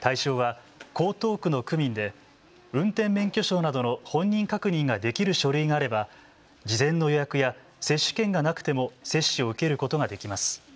対象は江東区の区民で運転免許証などの本人確認ができる書類があれば事前の予約や接種券がなくても接種を受けることができます。